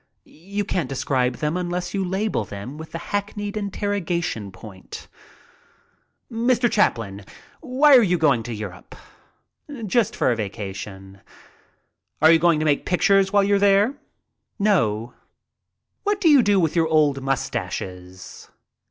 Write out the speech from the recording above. You can't describe them unless you label them with the hackneyed interrogation point. "Mr. Chaplin, why are you going to Europe?" "Just for a vacation." "Are you going to make pictures while you are there?" "No." I DECIDE TO PLAY HOOKEY 5 "What do you do with your old mustaches?"